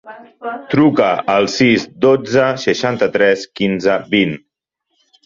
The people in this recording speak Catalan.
Truca al sis, dotze, seixanta-tres, quinze, vint.